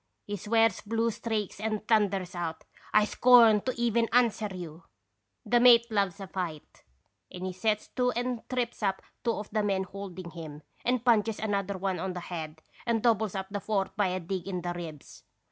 He swears blue streaks and thunders out :' I scorn to even answer you !'" The mate loves a fight, and he sets to and trips up two of the men holding him, and punches another on the head and doubles up the fourth by a dig in the ribs.